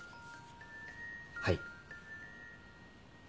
はい。